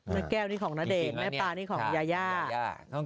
แม่แก้วนี่ของณเดชน์แม่ปลานี่ของยายา